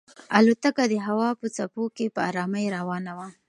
الوتکه د هوا په څپو کې په ارامۍ روانه وه.